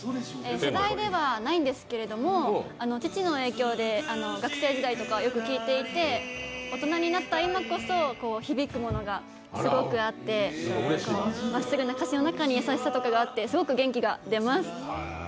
時代ではないんですけれども、父の影響で聴いていて、大人になった今こそ響くものがすごくあってまっすぐな歌詞の中に優しさがあってすごく元気が出ます。